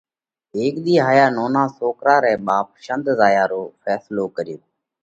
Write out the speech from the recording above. هيڪ ۮِي هائيا نونا سوڪرا رئہ ٻاپ شنڌ زايا رو ڦينصلو ڪريو۔